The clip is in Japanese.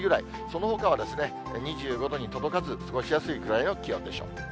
そのほかは２５度に届かず、過ごしやすいくらいの気温でしょう。